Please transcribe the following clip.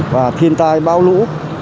và thiên tai bao lũ